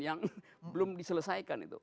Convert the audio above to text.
yang belum diselesaikan